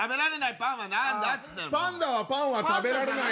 パンダはパンは食べられない。